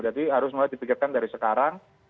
jadi harus mulai dibikin kan dari sekarang